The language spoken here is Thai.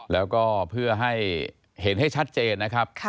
แล้วก็เพื่อให้เห็นให้ชัดเจนนะครับ